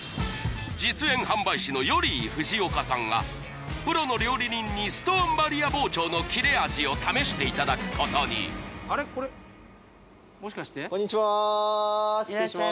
実演販売士のヨリー・フジオカさんがプロの料理人にストーンバリア包丁の切れ味を試していただくことにこんにちは失礼します・